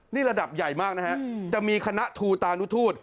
นี่ระดับใหญ่มากนะฮะจะมีคณะทูตานุทูต